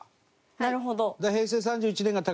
なるほど。